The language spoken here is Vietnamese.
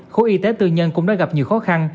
khối y tế tư nhân cũng đã gặp nhiều khó khăn